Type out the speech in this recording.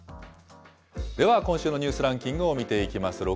では、今週のニュースランキングを見ていきます。